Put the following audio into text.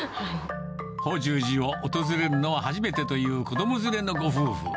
法重寺を訪れるのは初めてという子ども連れのご夫婦。